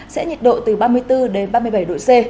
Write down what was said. sẽ nhiệt độ từ ba mươi bốn đến ba mươi bảy độ c